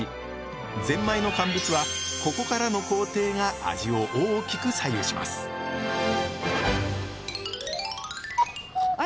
ぜんまいの乾物はここからの工程が味を大きく左右しますあら